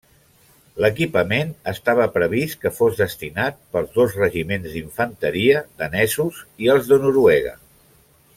L'equipament estava previst que fos destinat pels dos regiments d'infanteria danesos i els de Noruega.